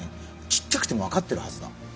ちっちゃくても分かってるはずだ。